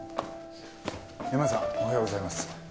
恵麻さんおはようございます。